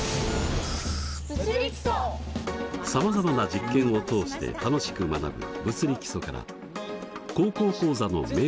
さまざまな実験を通して楽しく学ぶ「物理基礎」から「高校講座」の名物講師